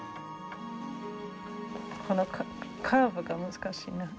このカーブが難しいな。